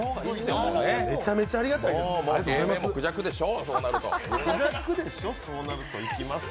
めちゃめちゃありがたいです。